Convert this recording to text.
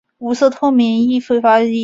无色透明易挥发液体。